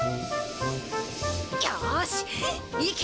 よし行け